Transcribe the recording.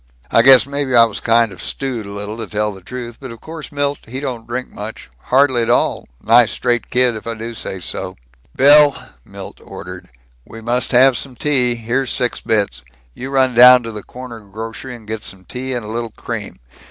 I guess maybe I was kind of stewed a little, tell the truth, but course Milt he don't drink much, hardly at all, nice straight kid if I do say so " "Bill!" Milt ordered. "We must have some tea. Here's six bits. You run down to the corner grocery and get some tea and a little cream.